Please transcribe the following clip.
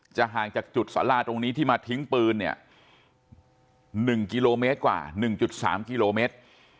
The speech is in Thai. ห่างจากจุดสาราตรงนี้ที่มาทิ้งปืนเนี่ย๑กิโลเมตรกว่า๑๓กิโลเมตร